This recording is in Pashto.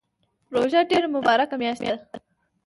روژه ډیره مبارکه میاشت ده